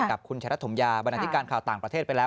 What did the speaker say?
กับคุณฉรัตต์ถุมยาบรรยาทิการค่าต่างประเทศไปแล้ว